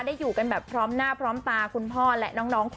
อยู่กันแบบพร้อมหน้าพร้อมตาคุณพ่อและน้อง